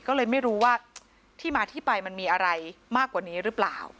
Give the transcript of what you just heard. ก็เลยไม่รู้ว่าที่มาที่ไปมันมีอะไรมากกว่านี้หรือเปล่า